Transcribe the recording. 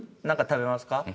何か食べますか？